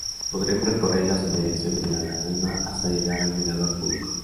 Podremos recorrer las inmediaciones de la laguna hasta llegar al Mirador Público.